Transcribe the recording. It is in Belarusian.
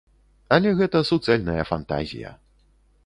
Але гэта суцэльная фантазія.